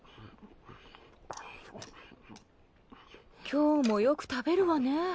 今日もよく食べるわね。